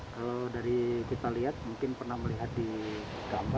kalau kita lihat mungkin pernah melihat di gambar atau media